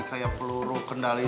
seperti peluru kendali